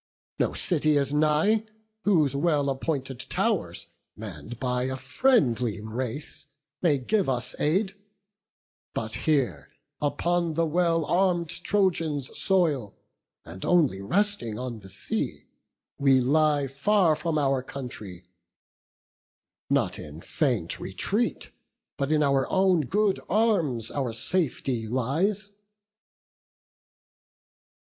No city is nigh, whose well appointed tow'rs, Mann'd by a friendly race, may give us aid; But here, upon the well arm'd Trojans' soil, And only resting on the sea, we lie Far from our country; not in faint retreat, But in our own good arms, our safety lies."